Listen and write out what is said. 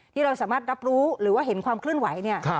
ที่เราสามารถรับรู้หรือว่าเห็นความเคลื่อนไหวเนี่ย